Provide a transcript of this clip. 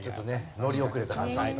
乗り遅れた。